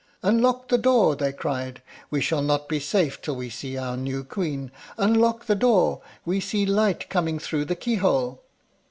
"Unlock the door!" they cried. "We shall not be safe till we see our new Queen. Unlock the door; we see light coming through the keyhole."